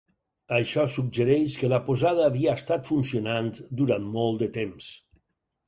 Això suggereix que la posada havia estat funcionant durant molt de temps.